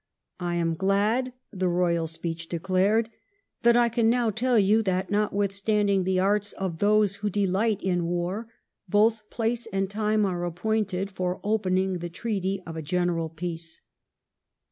' I am glad,' the Eoyal Speech 1711 'THOSE WHO DELIGHT IN WAR.' 109 declared, ' that I can now tell you that, notwith standing the arts of those who delight in war, both place and time are appointed for opening the treaty of a general peace.'